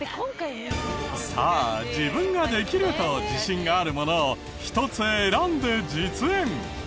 さあ自分ができると自信があるものを１つ選んで実演。